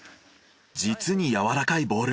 実にやわらかいボール。